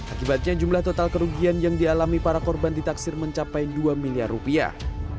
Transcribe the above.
akibatnya jumlah total kerugian yang dialami para korban ditaksir mencapai dua miliar rupiah